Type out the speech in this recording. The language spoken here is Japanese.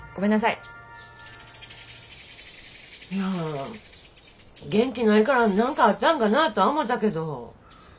いや元気ないから何かあったんかなとは思たけど。